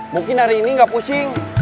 mungkin hari ini nggak pusing